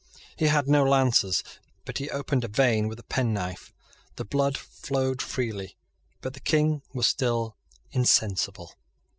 He had no lances; but he opened a vein with a penknife. The blood flowed freely; but the King was still insensible.